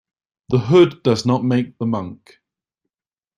The hood does not make the monk.